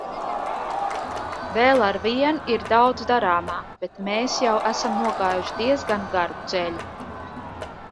Vēl arvien ir daudz darāmā, bet mēs jau esam nogājuši diezgan garu ceļu.